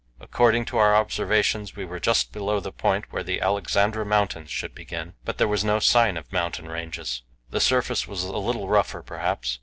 According to our observations we were then just below the point where the Alexandra Mountains should begin, but there was no sign of mountain ranges; the surface was a little rougher, perhaps.